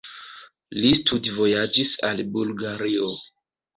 Li studvojaĝis al Bulgario.